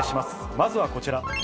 まずはこちら。